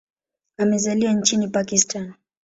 Amezaliwa nchini Pakistan.